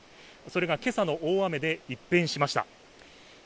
それが今朝の大雨で一変しました。